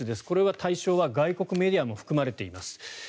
これは対象は外国メディアも含まれています。